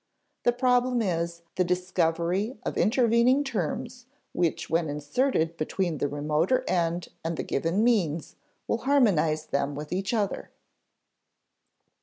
The problem is _the discovery of intervening terms which when inserted between the remoter end and the given means will harmonize them with each other_.